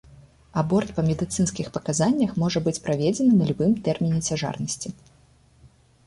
Аборт па медыцынскіх паказаннях можа быць праведзены на любым тэрміне цяжарнасці.